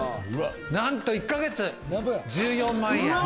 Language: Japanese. なんと１ヶ月１４万円！